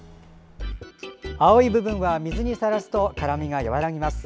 青い部分は水にさらすと辛みが和らぎます。